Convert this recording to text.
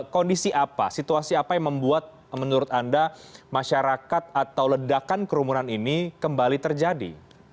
kondisi apa situasi apa yang membuat menurut anda masyarakat atau ledakan kerumunan ini kembali terjadi